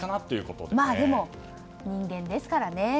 でも、人間ですからね。